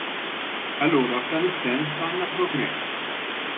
Allura f'dan is-sens għandna progress.